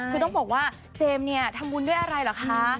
คือต้องบอกว่าเจมส์เนี่ยทำบุญด้วยอะไรเหรอคะ